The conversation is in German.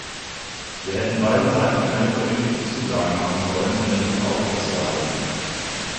Wir hätten beiden Seiten keine verbindlichen Zusagen machen sollen, um den Druck aufrechtzuerhalten.